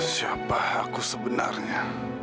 siapa aku sebenarnya